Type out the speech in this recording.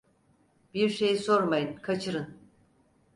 Bir şey sormayın, kaçırın…